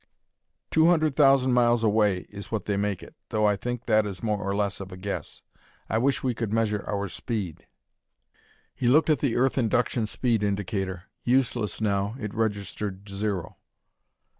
"Two hundred thousand miles away is what they make it, though I think that is more or less of a guess. I wish we could measure our speed." He looked at the earth induction speed indicator. Useless now, it registered zero.